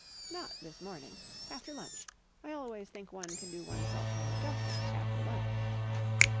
"Not this morning—after lunch. I always think one can do oneself more justice after lunch."